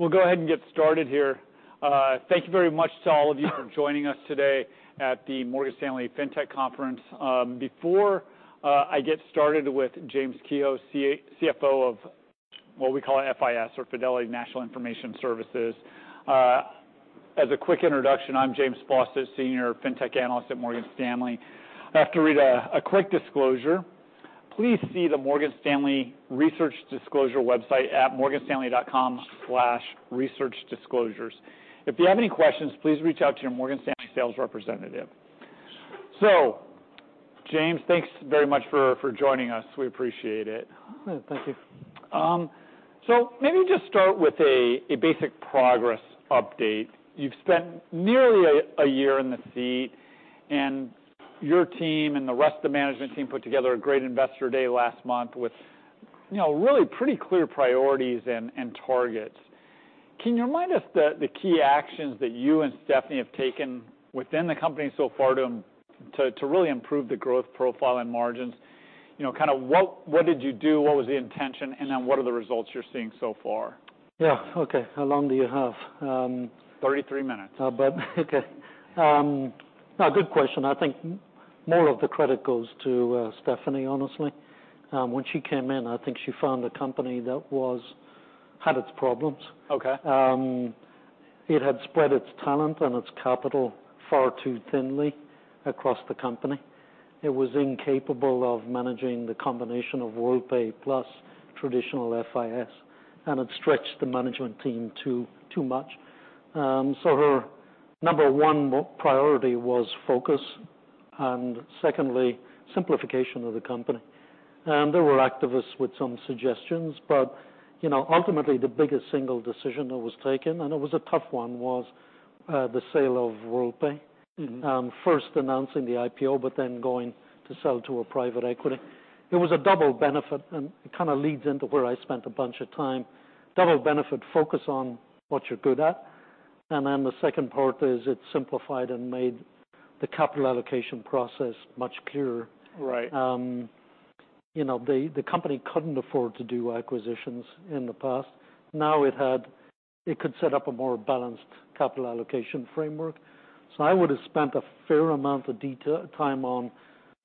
We'll go ahead and get started here. Thank you very much to all of you for joining us today at the Morgan Stanley Fintech Conference. Before I get started with James Kehoe, CFO of what we call FIS or Fidelity National Information Services. As a quick introduction, I'm James Faucette, Senior Fintech Analyst at Morgan Stanley. I have to read a quick disclosure. Please see the Morgan Stanley Research Disclosure website at morganstanley.com/researchdisclosures. If you have any questions, please reach out to your Morgan Stanley sales representative. So James, thanks very much for joining us. We appreciate it. Thank you. So maybe just start with a basic progress update. You've spent nearly a year in the seat, and your team and the rest of the management team put together a great investor day last month with, you know, really pretty clear priorities and targets. Can you remind us the key actions that you and Stephanie have taken within the company so far to really improve the growth profile and margins? You know, kind of what did you do? What was the intention? And then what are the results you're seeing so far? Yeah. Okay. How long do you have? Thirty-three minutes. But okay. A good question. I think more of the credit goes to, Stephanie, honestly. When she came in, I think she found a company that had its problems. Okay. It had spread its talent and its capital far too thinly across the company. It was incapable of managing the combination of Worldpay plus traditional FIS, and it stretched the management team too, too much. So her number one priority was focus, and secondly, simplification of the company. And there were activists with some suggestions, but, you know, ultimately, the biggest single decision that was taken, and it was a tough one, was the sale of Worldpay. Mm-hmm. First announcing the IPO, but then going to sell to a private equity. It was a double benefit, and it kind of leads into where I spent a bunch of time. Double benefit, focus on what you're good at, and then the second part is it simplified and made the capital allocation process much clearer. Right. You know, the company couldn't afford to do acquisitions in the past. Now, it could set up a more balanced capital allocation framework. So I would have spent a fair amount of time on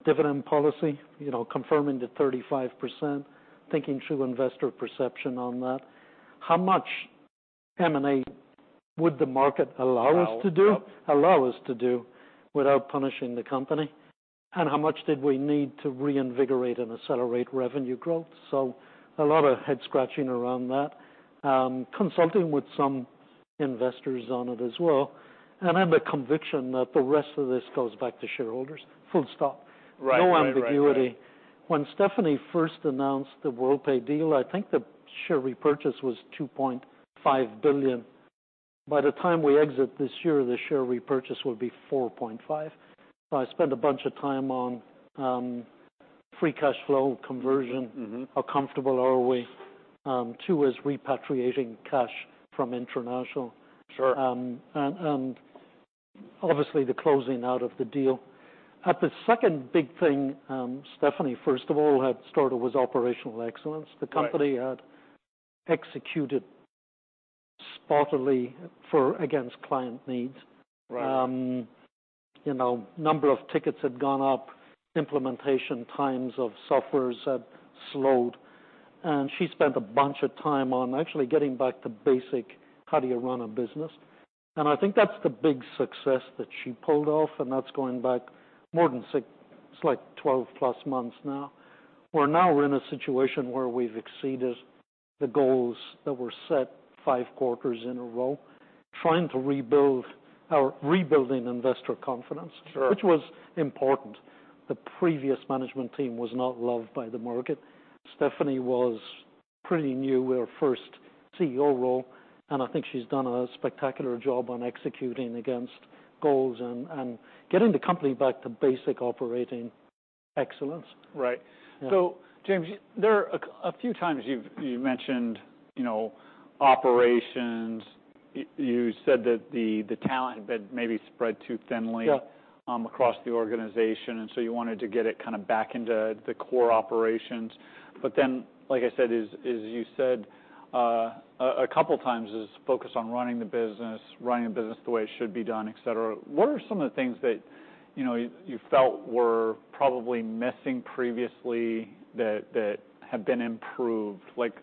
dividend policy, you know, confirming the 35%, thinking through investor perception on that. How much M&A would the market allow us to do- Allow, yep Allow us to do without punishing the company? And how much did we need to reinvigorate and accelerate revenue growth? So a lot of head scratching around that. Consulting with some investors on it as well, and then the conviction that the rest of this goes back to shareholders, full stop. Right. Right, right, right. No ambiguity. When Stephanie first announced the Worldpay deal, I think the share repurchase was $2.5 billion. By the time we exit this year, the share repurchase will be $4.5 billion. So I spent a bunch of time on free cash flow conversion. Mm-hmm. How comfortable are we with repatriating cash from international? Sure. And obviously, the closing out of the deal. At the second big thing, Stephanie, first of all, had started was operational excellence. Right. The company had executed spotlessly for against client needs. Right. You know, number of tickets had gone up, implementation times of software had slowed, and she spent a bunch of time on actually getting back to basics. How do you run a business? I think that's the big success that she pulled off, and that's going back more than six... It's like 12+ months now, where now we're in a situation where we've exceeded the goals that were set five quarters in a row, trying to rebuild or rebuilding investor confidence- Sure Which was important. The previous management team was not loved by the market. Stephanie was pretty new, her first CEO role, and I think she's done a spectacular job on executing against goals and getting the company back to basic operating excellence. Right. Yeah. James, there are a few times you've mentioned, you know, operations. You said that the talent had been maybe spread too thinly- Yeah Across the organization, and so you wanted to get it kind of back into the core operations. But then, like I said, as you said, a couple times, is focus on running the business, running the business the way it should be done, et cetera. What are some of the things that, you know, you felt were probably missing previously that have been improved? Like,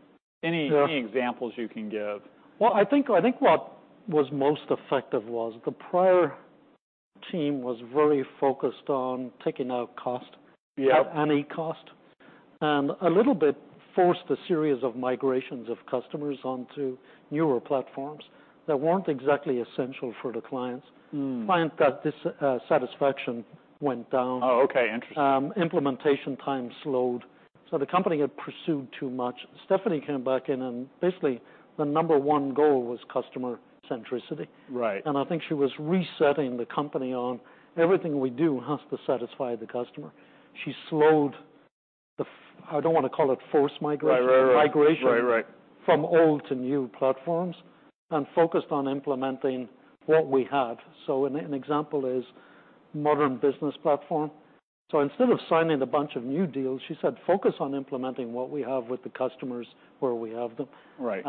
any- Yeah Any examples you can give? Well, I think, I think what was most effective was the prior team was very focused on taking out cost- Yeah At any cost, and a little bit forced a series of migrations of customers onto newer platforms that weren't exactly essential for the clients. Mm. Client satisfaction went down. Oh, okay. Interesting. Implementation time slowed. The company had pursued too much. Stephanie came back in, and basically, the number one goal was customer centricity. Right. I think she was resetting the company on everything we do has to satisfy the customer. She slowed the—I don't wanna call it forced migration- Right, right, right Migration- Right, right From old to new platforms and focused on implementing what we had. So an example is Modern Banking Platform.... So instead of signing a bunch of new deals, she said, "Focus on implementing what we have with the customers where we have them. Right.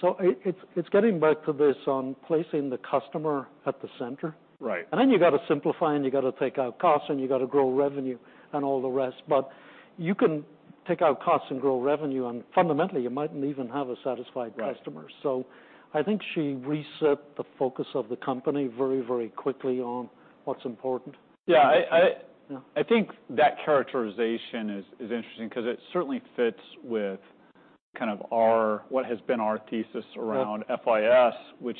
So, it's, it's getting back to this on placing the customer at the center. Right. And then you gotta simplify, and you gotta take out costs, and you gotta grow revenue and all the rest. But you can take out costs and grow revenue, and fundamentally, you mightn't even have a satisfied customer. Right. I think she reset the focus of the company very, very quickly on what's important. Yeah, I- Yeah. I think that characterization is interesting because it certainly fits with kind of our, what has been our thesis around- Yeah FIS, which...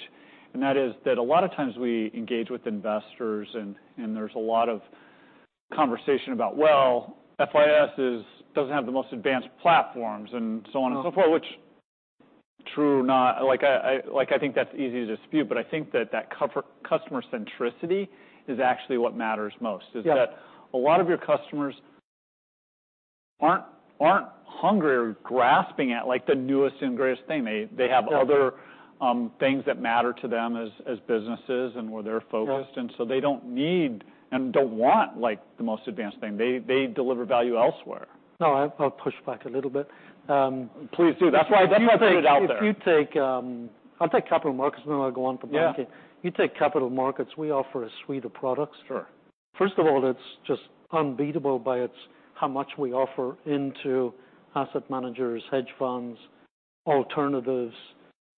And that is, a lot of times we engage with investors, and there's a lot of conversation about, well, FIS doesn't have the most advanced platforms, and so on and so forth. No. Which, true or not, like, I like, I think that's easy to dispute, but I think that that customer centricity is actually what matters most- Yeah Is that a lot of your customers aren't hungry or grasping at, like, the newest and greatest thing. They have- Yeah Other, things that matter to them as businesses and where they're focused. Yeah. And so they don't need and don't want, like, the most advanced thing. They, they deliver value elsewhere. No, I'll push back a little bit. Please do. That's why- If you take- That's why I put it out there. If you take, I'll take capital markets, and then I'll go on to banking. Yeah. You take capital markets, we offer a suite of products. Sure. First of all, it's just unbeatable by its, how much we offer into asset managers, hedge funds, alternatives,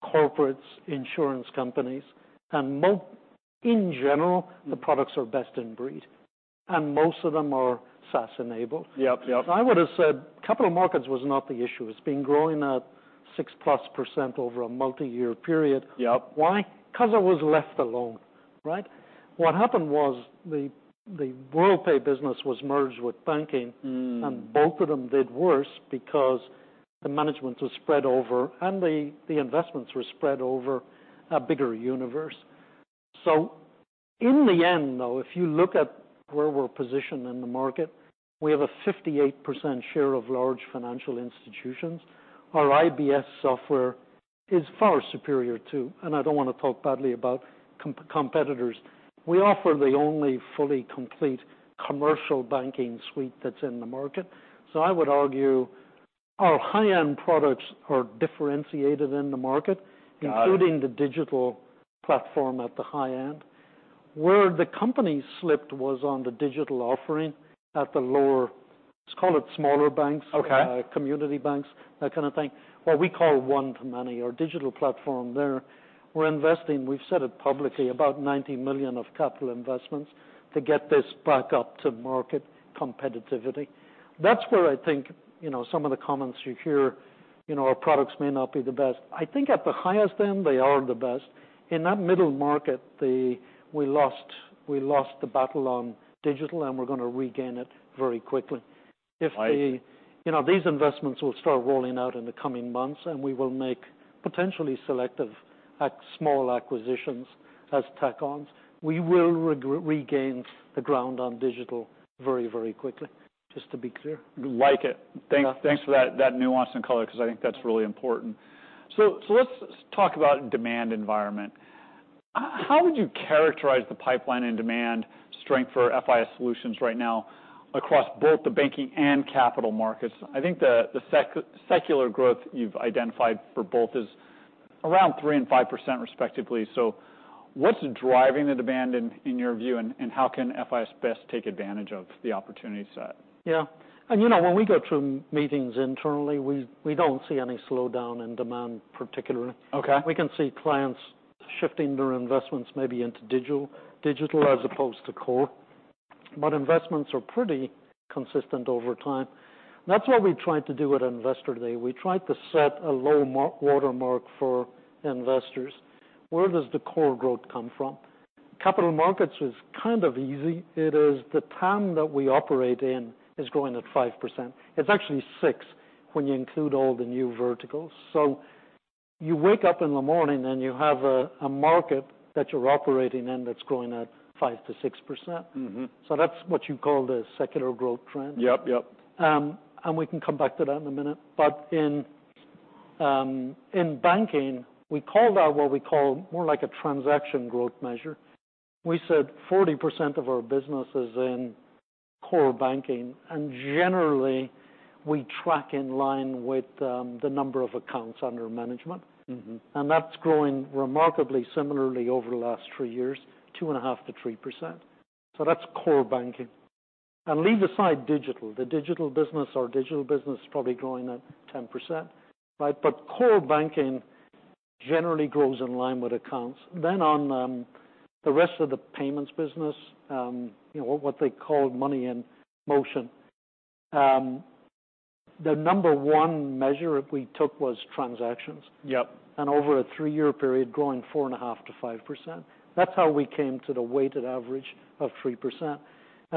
corporates, insurance companies, and mo- in general- Mm-hmm The products are best in breed, and most of them are SaaS-enabled. Yep, yep. I would've said capital markets was not the issue. It's been growing at 6%+ over a multi-year period. Yep. Why? Because it was left alone, right? What happened was the Worldpay business was merged with banking- Mm And both of them did worse because the management was spread over, and the, the investments were spread over a bigger universe. So in the end, though, if you look at where we're positioned in the market, we have a 58% share of large financial institutions. Our IBS software is far superior, too, and I don't want to talk badly about com- competitors. We offer the only fully complete commercial banking suite that's in the market. So I would argue, our high-end products are differentiated in the market- Got it Including the digital platform at the high end. Where the company slipped was on the digital offering at the lower, let's call it smaller banks- Okay Community banks, that kind of thing, what we call One-to-Many, our digital platform there. We're investing, we've said it publicly, about $90 million of capital investments to get this back up to market competitiveness. That's where I think, you know, some of the comments you hear, you know, our products may not be the best. I think at the highest end, they are the best. In that middle market, we lost, we lost the battle on digital, and we're going to regain it very quickly. I- You know, these investments will start rolling out in the coming months, and we will make potentially selective small acquisitions as tack-ons. We will regain the ground on digital very, very quickly, just to be clear. Like it. Yeah. Thanks, thanks for that, that nuance and color, because I think that's really important. So, let's talk about demand environment. How would you characterize the pipeline and demand strength for FIS solutions right now across both the banking and capital markets? I think the secular growth you've identified for both is around 3% and 5%, respectively. So what's driving the demand in your view, and how can FIS best take advantage of the opportunity set? Yeah. And you know, when we go to meetings internally, we don't see any slowdown in demand, particularly. Okay. We can see clients shifting their investments maybe into digital, digital as opposed to core, but investments are pretty consistent over time. That's what we tried to do at Investor Day. We tried to set a low watermark for investors. Where does the core growth come from? Capital markets is kind of easy. It is the TAM that we operate in is growing at 5%. It's actually six, when you include all the new verticals. So you wake up in the morning, and you have a market that you're operating in that's growing at 5%-6%. Mm-hmm. That's what you call the secular growth trend. Yep, yep. And we can come back to that in a minute. But in banking, we called out what we call more like a transaction growth measure. We said 40% of our business is in core banking, and generally, we track in line with the number of accounts under management. Mm-hmm. That's growing remarkably similarly over the last three years, 2.5%-3%. So that's core banking. And leave aside digital. The digital business, our digital business, is probably growing at 10%, right? But core banking generally grows in line with accounts. Then on the rest of the payments business, you know, what they call Money in Motion, the number one measure that we took was transactions. Yep. Over a three-year period, growing 4.5%-5%. That's how we came to the weighted average of 3%.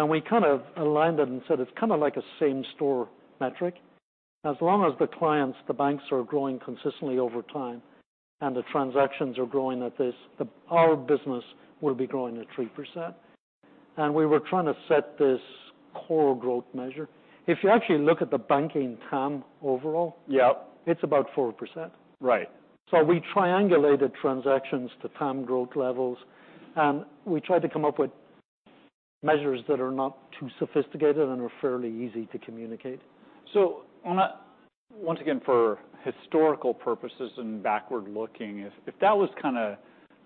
We kind of aligned it and said, it's kind of like a same store metric. As long as the clients, the banks, are growing consistently over time and the transactions are growing at this, the, our business will be growing at 3%. We were trying to set this core growth measure. If you actually look at the banking TAM overall- Yep... it's about 4%. Right. So we triangulated transactions to TAM growth levels, and we tried to come up with measures that are not too sophisticated and are fairly easy to communicate. So, once again, for historical purposes and backward-looking, if that was kind of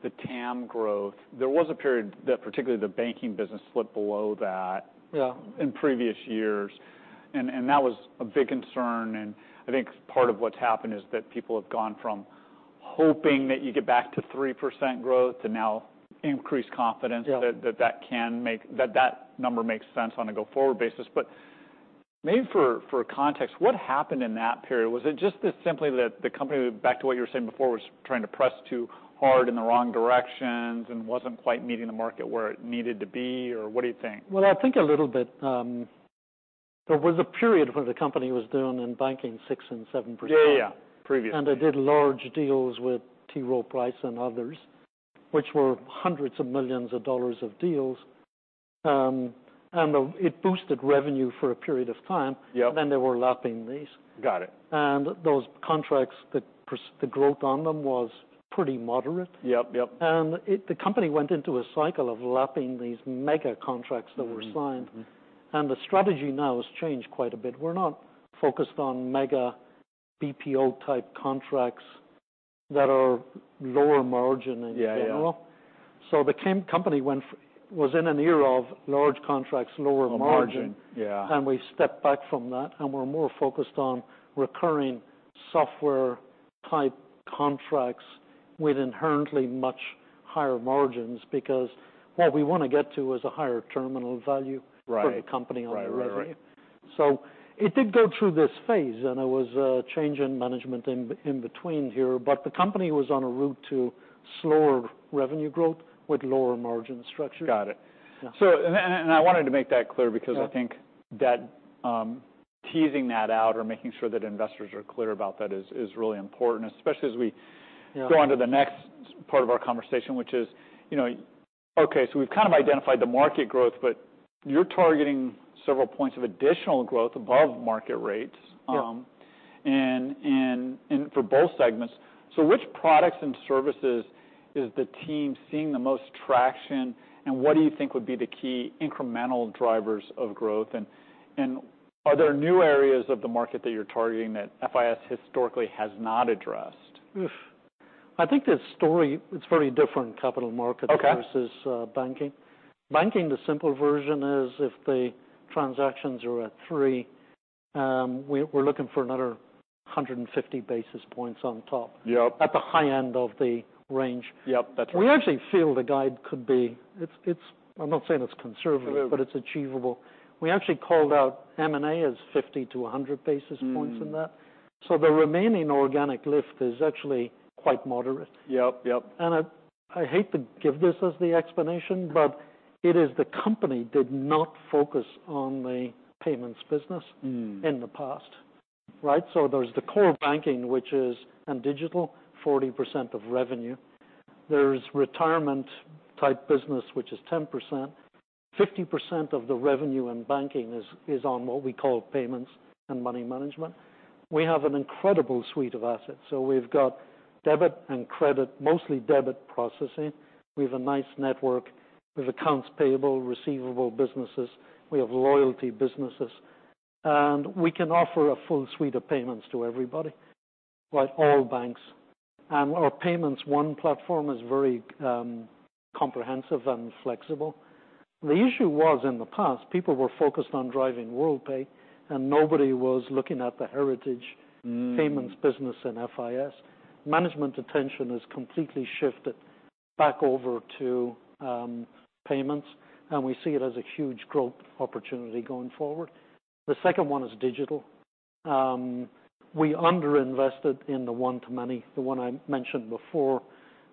the TAM growth, there was a period that particularly the banking business slipped below that- Yeah in previous years. And that was a big concern, and I think part of what's happened is that people have gone from hoping that you get back to 3% growth to now increased confidence- Yeah that number makes sense on a go-forward basis. But maybe for context, what happened in that period? Was it just simply that the company, back to what you were saying before, was trying to press too hard in the wrong directions and wasn't quite meeting the market where it needed to be or what do you think? Well, I think a little bit. There was a period where the company was doing in banking, 6%-7%. Yeah, yeah, yeah, previously. They did large deals with T. Rowe Price and others, which were $hundreds of millions of deals. It boosted revenue for a period of time. Yep. And then they were lapping these. Got it. Those contracts, the growth on them was pretty moderate. Yep, yep. The company went into a cycle of lapping these mega contracts that were signed. Mm-hmm, mm-hmm. The strategy now has changed quite a bit. We're not focused on mega BPO-type contracts that are lower margin in general. Yeah, yeah. The company was in an era of large contracts, lower margin. Lower margin, yeah. And we stepped back from that, and we're more focused on recurring software-type contracts with inherently much higher margins, because what we want to get to is a higher terminal value- Right... for the company on the revenue. Right, right, right. So it did go through this phase, and there was a change in management in between here, but the company was on a route to slower revenue growth with lower margin structure. Got it. Yeah. I wanted to make that clear- Yeah Because I think that, teasing that out or making sure that investors are clear about that is, is really important, especially as we- Yeah Go on to the next part of our conversation, which is, you know, okay, so we've kind of identified the market growth, but you're targeting several points of additional growth above market rates. Yeah For both segments. So which products and services is the team seeing the most traction, and what do you think would be the key incremental drivers of growth? And are there new areas of the market that you're targeting that FIS historically has not addressed? Oof. I think the story, it's very different in capital markets- Okay Versus banking. Banking, the simple version is if the transactions are at 3, we're looking for another 150 basis points on top- Yep At the high end of the range. Yep, that's right. We actually feel the guide could be, it's. I'm not saying it's conservative- Mm But it's achievable. We actually called out M&A as 50-100 basis points in that. Mm. The remaining organic lift is actually quite moderate. Yep, yep. And I hate to give this as the explanation, but it is the company did not focus on the payments business- Mm In the past. Right? So there's the core banking, which is, and digital, 40% of revenue. There's retirement-type business, which is 10%. 50% of the revenue in banking is, is on what we call payments and money management. We have an incredible suite of assets. So we've got debit and credit, mostly debit processing. We have a nice network. We have accounts payable, receivable businesses. We have loyalty businesses. And we can offer a full suite of payments to everybody, like all banks. And our Payments One platform is very, comprehensive and flexible. The issue was, in the past, people were focused on driving Worldpay, and nobody was looking at the heritage- Mm Payments business in FIS. Management attention has completely shifted back over to payments, and we see it as a huge growth opportunity going forward. The second one is digital. We underinvested in the One-to-Many, the one I mentioned before,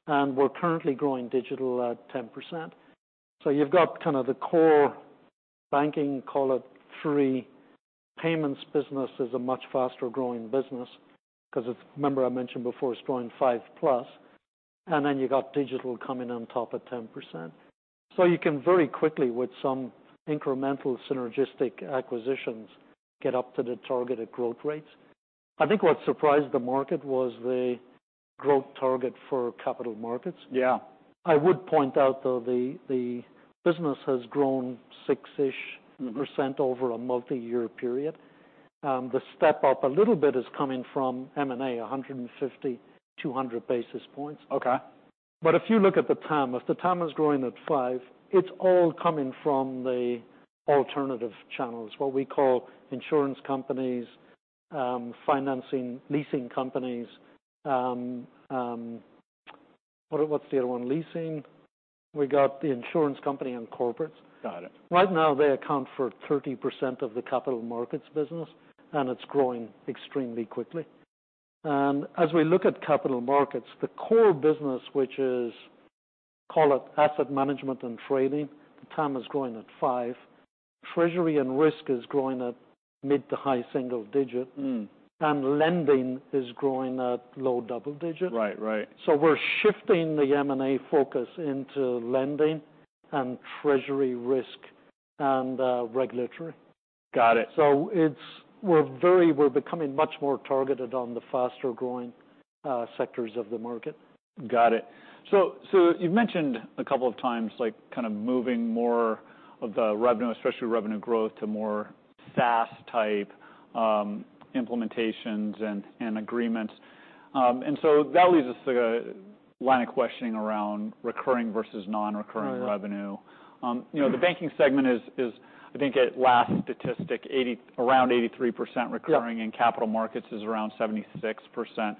and we're currently growing digital at 10%. So you've got kind of the core banking, call it 3. Payments business is a much faster-growing business because it's... Remember I mentioned before, it's growing 5+, and then you got digital coming on top at 10%. So you can very quickly, with some incremental synergistic acquisitions, get up to the targeted growth rates. I think what surprised the market was the growth target for capital markets. Yeah. I would point out, though, the business has grown six-ish% over a multi-year period. The step up a little bit is coming from M&A, 150-200 basis points. Okay. But if you look at the TAM, if the TAM is growing at 5, it's all coming from the alternative channels, what we call insurance companies, financing, leasing companies. What's the other one? Leasing. We got the insurance company and corporates. Got it. Right now, they account for 30% of the capital markets business, and it's growing extremely quickly. As we look at capital markets, the core business, which is, call it asset management and trading, the TAM is growing at 5. Treasury and risk is growing at mid- to high-single-digit. Mm. Lending is growing at low double-digit. Right, right. So we're shifting the M&A focus into lending and treasury risk and regulatory. Got it. So, we're becoming much more targeted on the faster-growing sectors of the market. Got it. So you've mentioned a couple of times, like, kind of moving more of the revenue, especially revenue growth, to more SaaS-type implementations and agreements. And so that leads us to a line of questioning around recurring versus non-recurring- Right Revenue. You know, the banking segment is, I think, at last statistic, around 83% recurring- Yeah And capital markets is around 76%.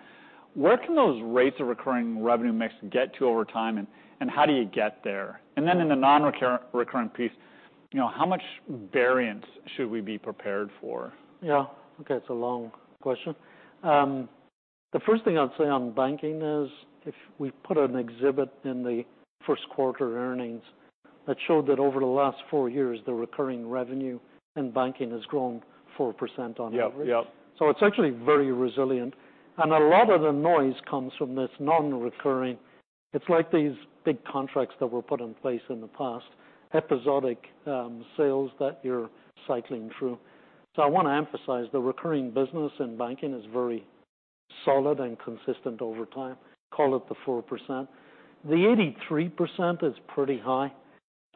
Where can those rates of recurring revenue mix get to over time, and how do you get there? And then in the nonrecurring piece, you know, how much variance should we be prepared for? Yeah. Okay, it's a long question. The first thing I'd say on banking is, if we put an exhibit in the first quarter earnings, that showed that over the last four years, the recurring revenue in banking has grown 4% on average. Yep, yep. So it's actually very resilient, and a lot of the noise comes from this non-recurring. It's like these big contracts that were put in place in the past, episodic, sales that you're cycling through. So I want to emphasize, the recurring business in banking is very solid and consistent over time, call it the 4%. The 83% is pretty high.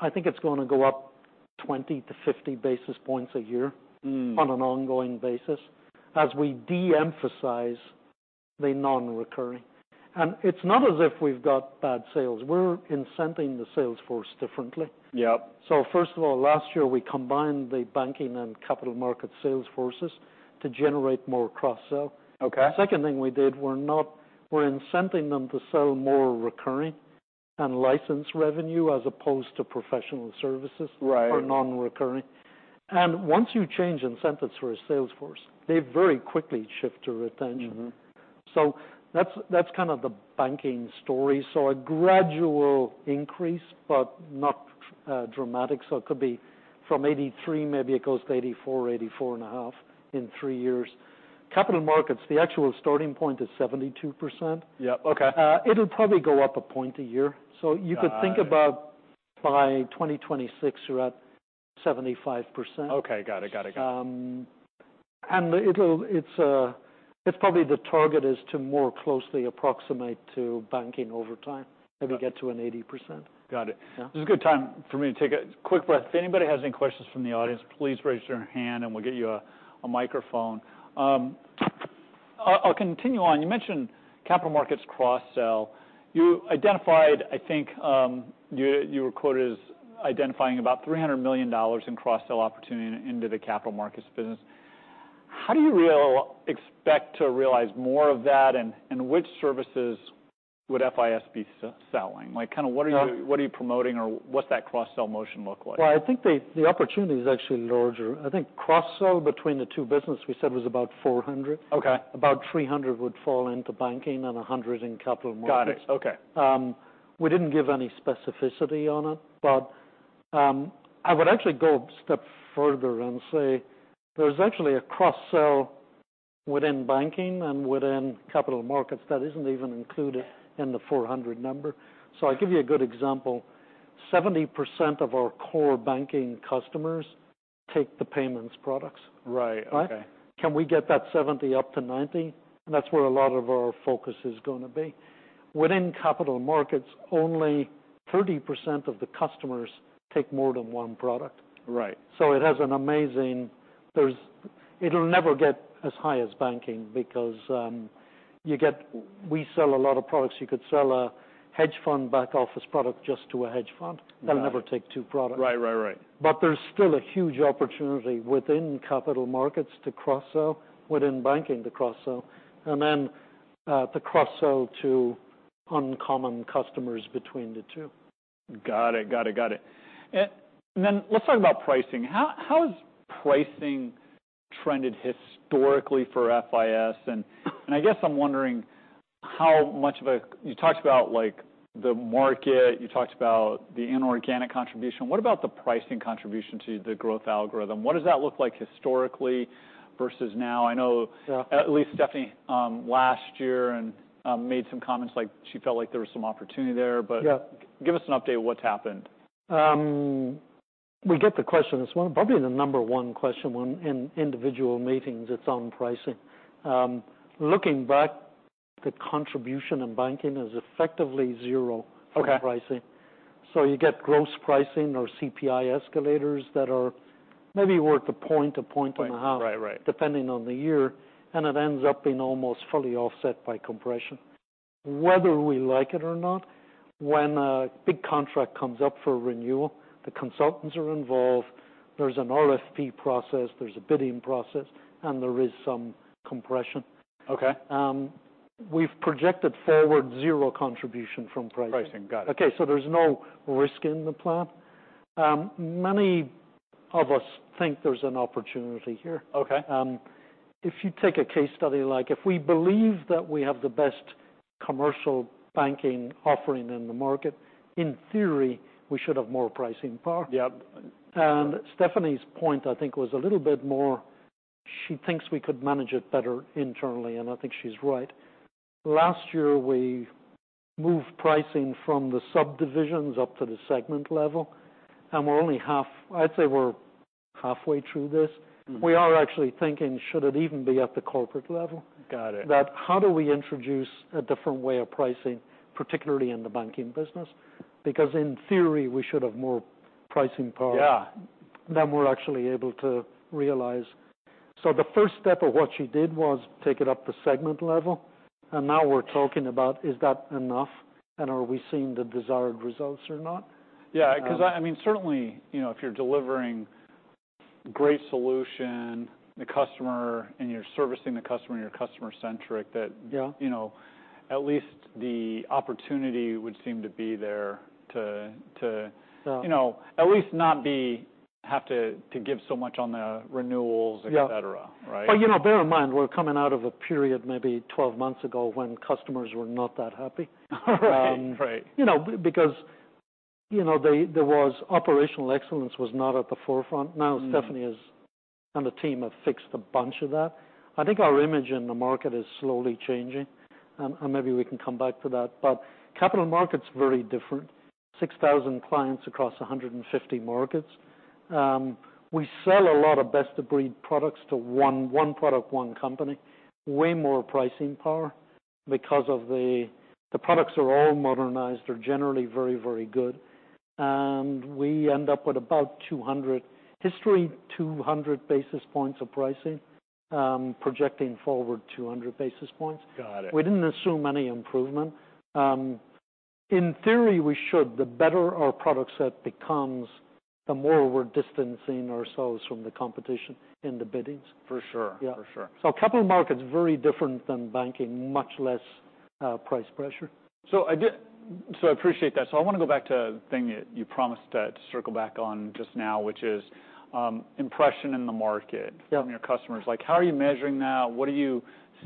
I think it's going to go up 20-50 basis points a year- Mm On an ongoing basis, as we de-emphasize the non-recurring. And it's not as if we've got bad sales. We're incenting the sales force differently. Yep. First of all, last year, we combined the banking and capital market sales forces to generate more cross-sell. Okay. Second thing we did, we're incenting them to sell more recurring and license revenue as opposed to professional services- Right or non-recurring. Once you change incentives for a sales force, they very quickly shift their attention. Mm-hmm. So that's, that's kind of the banking story. So a gradual increase, but not dramatic. So it could be from 83%, maybe it goes to 84% or 84.5% in three years. Capital markets, the actual starting point is 72%. Yep, okay. It'll probably go up a point a year. Ah. You could think about by 2026, you're at 75%. Okay, got it. Got it. Got it. And it's probably the target is to more closely approximate to banking over time. Got it. Maybe get to an 80%. Got it. Yeah. This is a good time for me to take a quick breath. If anybody has any questions from the audience, please raise your hand and we'll get you a microphone. I'll continue on. You mentioned capital markets cross-sell. You identified, I think, you were quoted as identifying about $300 million in cross-sell opportunity into the capital markets business. How do you expect to realize more of that, and which services would FIS be selling? Like, kind of what are you- Yeah What are you promoting, or what's that cross-sell motion look like? Well, I think the opportunity is actually larger. I think cross-sell between the two businesses, we said, was about 400. Okay. About 300 would fall into banking and 100 in capital markets. Got it. Okay. We didn't give any specificity on it, but I would actually go a step further and say there's actually a cross-sell within banking and within capital markets that isn't even included in the 400 number. So I'll give you a good example. 70% of our core banking customers take the payments products. Right. Okay. Right? Can we get that 70 up to 90? And that's where a lot of our focus is gonna be. Within capital markets, only 30% of the customers take more than one product. Right. So it has an amazing, there's, it'll never get as high as banking because, you get, we sell a lot of products. You could sell a hedge fund back office product just to a hedge fund. Got it. They'll never take two products. Right, right, right. But there's still a huge opportunity within capital markets to cross-sell, within banking to cross-sell, and then to cross-sell to uncommon customers between the two. Got it. Got it. Got it. And then let's talk about pricing. How, how has pricing trended historically for FIS? And, and I guess I'm wondering how much of a, you talked about, like, the market, you talked about the inorganic contribution. What about the pricing contribution to the growth algorithm? What does that look like historically versus now? I know- Yeah At least Stephanie last year and made some comments, like, she felt like there was some opportunity there. Yeah. Give us an update of what's happened. We get the question, as well. Probably the number one question when in individual meetings, it's on pricing. Looking back, the contribution in banking is effectively zero- Okay For pricing. So you get gross pricing or CPI escalators that are maybe worth a point, a point and a half- Right, right Depending on the year, and it ends up being almost fully offset by compression. Whether we like it or not, when a big contract comes up for renewal, the consultants are involved, there's an RFP process, there's a bidding process, and there is some compression. Okay. We've projected forward zero contribution from pricing. Pricing, got it. Okay, so there's no risk in the plan. Many of us think there's an opportunity here. Okay. If you take a case study, like, if we believe that we have the best commercial banking offering in the market, in theory, we should have more pricing power. Yep. Stephanie's point, I think, was a little bit more she thinks we could manage it better internally, and I think she's right. Last year, we moved pricing from the subdivisions up to the segment level, and we're only half I'd say we're halfway through this. We are actually thinking, should it even be at the corporate level? Got it. That's how do we introduce a different way of pricing, particularly in the banking business? Because in theory, we should have more pricing power- Yeah Than we're actually able to realize. So the first step of what she did was take it up the segment level, and now we're talking about, is that enough, and are we seeing the desired results or not? Yeah, 'cause I mean, certainly, you know, if you're delivering great solution, the customer, and you're servicing the customer, and you're customer-centric, that- Yeah You know, at least the opportunity would seem to be there to... Yeah you know, at least not have to give so much on the renewals, et cetera. Yeah. Right? You know, bear in mind, we're coming out of a period maybe 12 months ago when customers were not that happy. Right, right. You know, because, you know, there was operational excellence was not at the forefront. Mm. Now, Stephanie is, and the team have fixed a bunch of that. I think our image in the market is slowly changing, and maybe we can come back to that. But capital market's very different. 6,000 clients across 150 markets. We sell a lot of best-of-breed products to one, one product, one company. Way more pricing power because of the, the products are all modernized. They're generally very, very good. And we end up with about two hundred-- history, two hundred basis points of pricing, projecting forward two hundred basis points. Got it. We didn't assume any improvement. In theory, we should. The better our product set becomes, the more we're distancing ourselves from the competition in the biddings. For sure. Yeah. For sure. So capital markets very different than banking, much less price pressure. So I appreciate that. So I wanna go back to the thing that you promised to, to circle back on just now, which is, impression in the market- Yeah from your customers. Like, how are you measuring that? What are you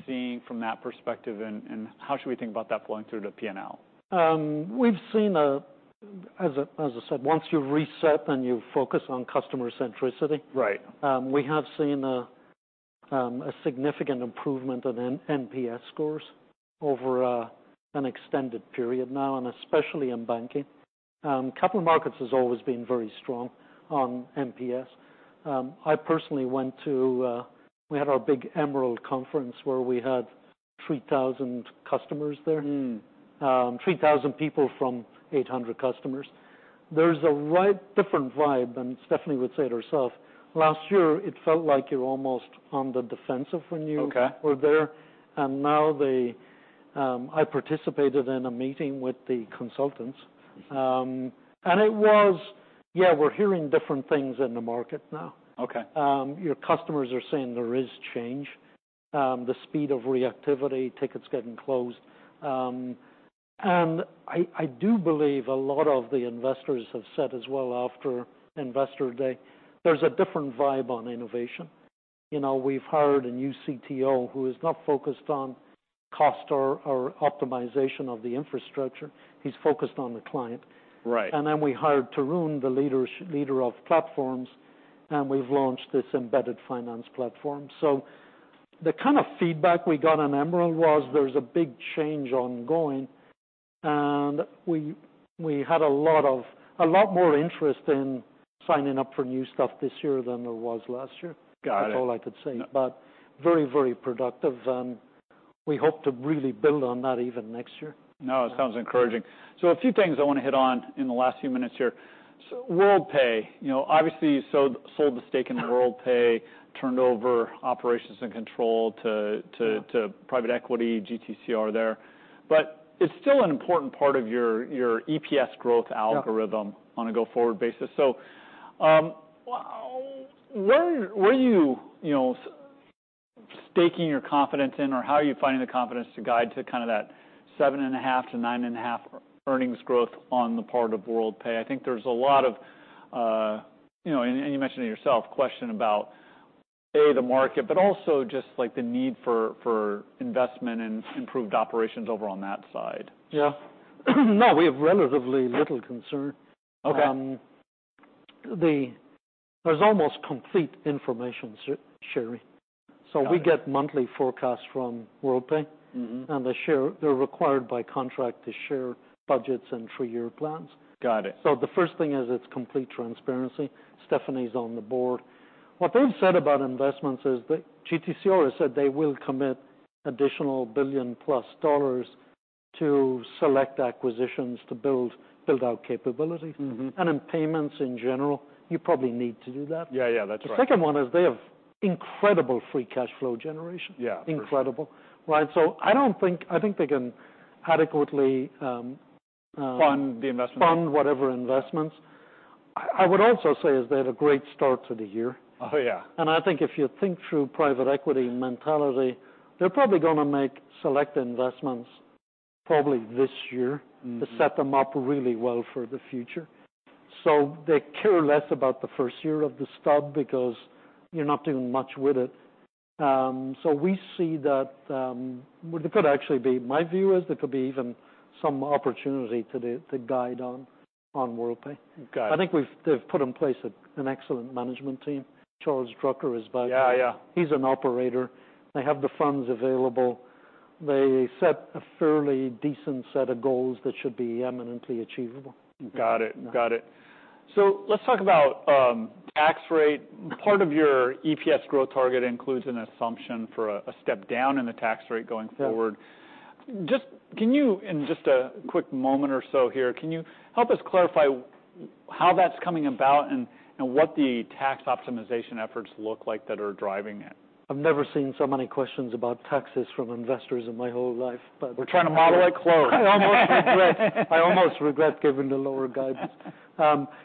seeing from that perspective, and, and how should we think about that flowing through the P&L? We've seen, as I said, once you reset and you focus on customer centricity- Right We have seen a significant improvement on NPS scores over an extended period now, and especially in banking. Capital markets has always been very strong on NPS. I personally went to. We had our big Emerald conference, where we had 3,000 customers there. Mm. 3,000 people from 800 customers. There's a right, different vibe, and Stephanie would say it herself. Last year, it felt like you're almost on the defensive when you- Okay Were there. And now they, I participated in a meeting with the consultants, and it was... Yeah, we're hearing different things in the market now. Okay. Your customers are saying there is change, the speed of reactivity, tickets getting closed. And I do believe a lot of the investors have said as well, after Investor Day, there's a different vibe on innovation. You know, we've hired a new CTO, who is not focused on cost or optimization of the infrastructure. He's focused on the client. Right. And then we hired Tarun, the leader of platforms, and we've launched this embedded finance platform. So the kind of feedback we got on Emerald was there's a big change ongoing, and we had a lot more interest in signing up for new stuff this year than there was last year. Got it. That's all I could say. But very, very productive, and we hope to really build on that even next year. No, it sounds encouraging. So a few things I wanna hit on in the last few minutes here. So Worldpay, you know, obviously, you sold the stake in Worldpay, turned over operations and control to- Yeah Private equity, GTCR there. But it's still an important part of your, your EPS growth algorithm- Yeah On a go-forward basis. So, where are you, you know, staking your confidence in, or how are you finding the confidence to guide to kind of that 7.5%-9.5% earnings growth on the part of Worldpay? I think there's a lot of, you know, and you mentioned it yourself, question about the market, but also just, like, the need for investment and improved operations over on that side. Yeah. No, we have relatively little concern. Okay. There's almost complete information sharing. Got it. We get monthly forecasts from Worldpay. Mm-hmm. They share. They're required by contract to share budgets and three-year plans. Got it. The first thing is, it's complete transparency. Stephanie's on the board. What they've said about investments is that GTCR has said they will commit additional $1+ billion to select acquisitions to build, build out capability. Mm-hmm. In payments in general, you probably need to do that. Yeah, yeah, that's right. The second one is they have incredible free cash flow generation. Yeah. Incredible, right? So I don't think, I think they can adequately. Fund the investment nd whatever investments. I would also say is they had a great start to the year. Oh, yeah. I think if you think through private equity mentality, they're probably gonna make select investments, probably this year. Mm To set them up really well for the future. So they care less about the first year of the stub because you're not doing much with it. So we see that, well, there could actually be... My view is there could be even some opportunity to the, to guide on.... on Worldpay. Got it. I think they've put in place an excellent management team. Charles Drucker is back. Yeah, yeah. He's an operator. They have the funds available. They set a fairly decent set of goals that should be eminently achievable. Got it. Got it. So let's talk about tax rate. Part of your EPS growth target includes an assumption for a step down in the tax rate going forward. Yeah. Just, can you, in just a quick moment or so here, can you help us clarify how that's coming about and, and what the tax optimization efforts look like that are driving it? I've never seen so many questions about taxes from investors in my whole life, but- We're trying to model it closely. I almost regret, I almost regret giving the lower guidance.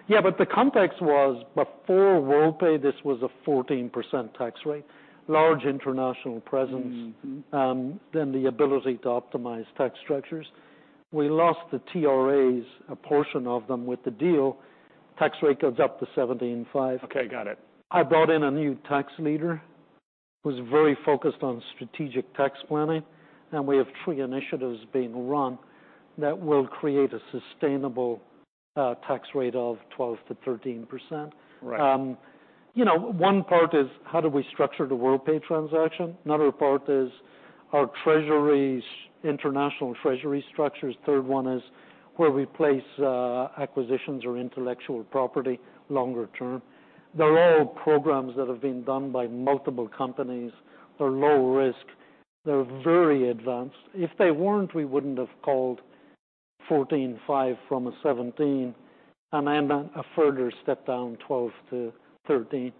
Yeah, but the context was before Worldpay, this was a 14% tax rate, large international presence- Mm-hmm, mm-hmm. Then the ability to optimize tax structures. We lost the TRAs, a portion of them, with the deal. Tax rate goes up to 17.5. Okay, got it. I brought in a new tax leader, who's very focused on strategic tax planning, and we have three initiatives being run that will create a sustainable, tax rate of 12%-13%. Right. You know, one part is how do we structure the Worldpay transaction? Another part is our treasuries, international treasury structures. Third one is where we place, acquisitions or intellectual property, longer term. They're all programs that have been done by multiple companies. They're low risk. They're very advanced. If they weren't, we wouldn't have called 14.5 from a 17, and then a further step down, 12-13.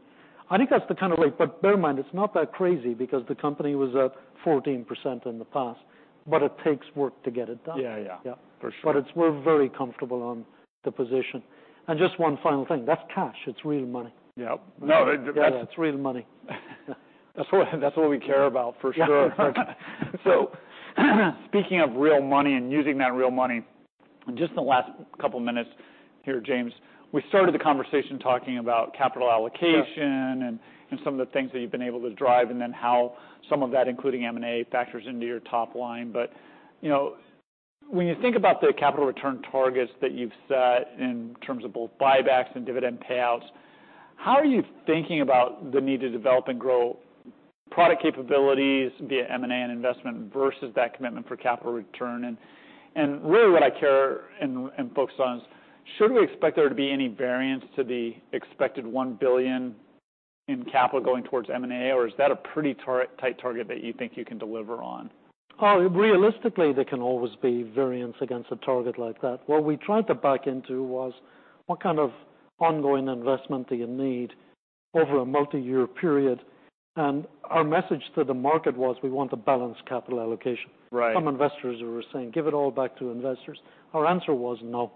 I think that's the kind of like, but bear in mind, it's not that crazy, because the company was at 14% in the past, but it takes work to get it done. Yeah, yeah. Yeah. For sure. We're very comfortable on the position. Just one final thing: That's cash. It's real money. Yep. No, that- Yeah, it's real money. That's what, that's what we care about, for sure. Yeah. Speaking of real money and using that real money, just in the last couple minutes here, James, we started the conversation talking about capital allocation- Sure. and some of the things that you've been able to drive, and then how some of that, including M&A, factors into your top line. But, you know, when you think about the capital return targets that you've set in terms of both buybacks and dividend payouts, how are you thinking about the need to develop and grow product capabilities via M&A and investment versus that commitment for capital return? And really, what I care and focus on is, should we expect there to be any variance to the expected $1 billion in capital going towards M&A, or is that a pretty tight target that you think you can deliver on? Oh, realistically, there can always be variance against a target like that. What we tried to back into was what kind of ongoing investment do you need over a multi-year period? Our message to the market was, we want to balance capital allocation. Right. Some investors were saying, "Give it all back to investors." Our answer was no.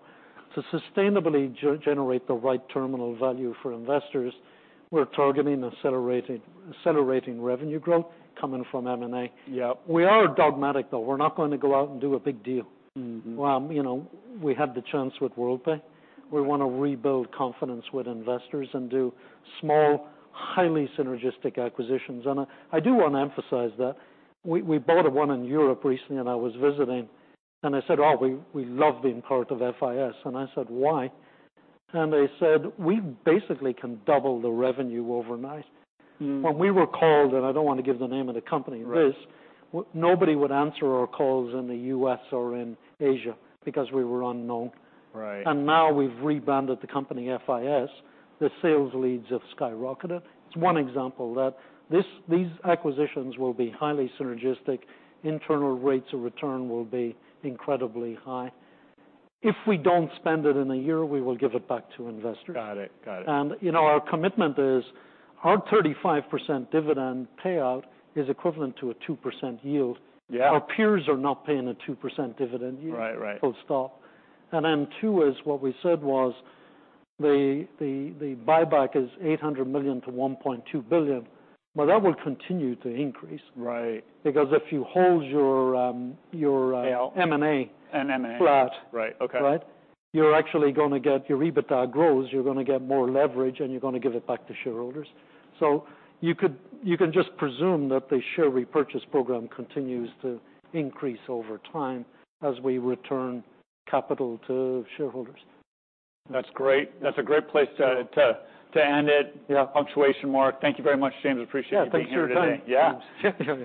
To sustainably generate the right terminal value for investors, we're targeting accelerating revenue growth coming from M&A. Yeah. We are dogmatic, though. We're not going to go out and do a big deal. Mm-hmm. Well, you know, we had the chance with Worldpay. Right. We want to rebuild confidence with investors and do small, highly synergistic acquisitions. I do want to emphasize that we bought one in Europe recently, and I was visiting, and they said, "Oh, we love being part of FIS." And I said, "Why?" And they said, "We basically can double the revenue overnight. Mm. When we were called," and I don't want to give the name of the company- Right This, nobody would answer our calls in the U.S. or in Asia because we were unknown. Right. Now we've rebranded the company FIS, the sales leads have skyrocketed. It's one example that these acquisitions will be highly synergistic. Internal rates of return will be incredibly high. If we don't spend it in a year, we will give it back to investors. Got it, got it. You know, our commitment is our 35% dividend payout is equivalent to a 2% yield. Yeah. Our peers are not paying a 2% dividend yield- Right, right Full stop. And then, two is, what we said was, the buyback is $800 million-$1.2 billion, but that will continue to increase. Right. Because if you hold your Yeah M&A- M&A Flat. Right, okay. Right? You're actually gonna get, your EBITDA grows, you're gonna get more leverage, and you're gonna give it back to shareholders. So you could- you can just presume that the share repurchase program continues to increase over time as we return capital to shareholders. That's great. That's a great place to end it. Yeah. Punctuation mark. Thank you very much, James. Appreciate you being here today. Yeah, thanks for your time. Yeah.